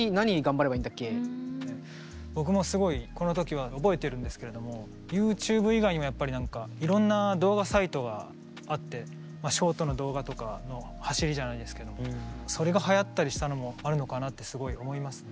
そうそう僕もすごいこの時は覚えてるんですけれどもＹｏｕＴｕｂｅ以外にもやっぱり何かいろんな動画サイトがあってショートの動画とかの走りじゃないですけどそれがはやったりしたのもあるのかなってすごい思います。